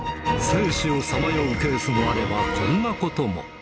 生死をさまようケースもあれば、こんなことも。